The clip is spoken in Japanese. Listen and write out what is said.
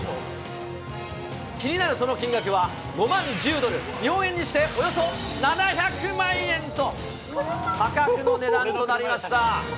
気になるその金額は５万１０ドル、日本円にしておよそ７００万円と、破格の値段となりました。